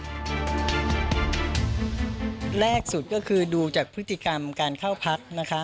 แรกสุดก็คือดูจากพฤติกรรมการเข้าพักนะคะ